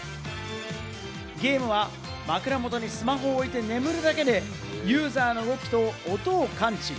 ゲームは枕元にスマホを置いて眠るだけで、ユーザーの動きと音を感知。